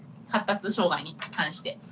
発達障害に関して。